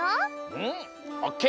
うんオッケー！